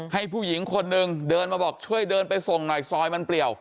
ให้ผู้หญิงคนนึงเดินมาบอกช่วยเดินไปส่งหน่อยซอยมันเปลี่ยว